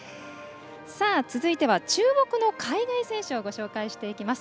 続いては、注目の海外選手を紹介していきます。